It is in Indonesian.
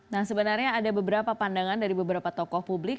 nah sebenarnya ada beberapa pandangan dari beberapa tokoh publik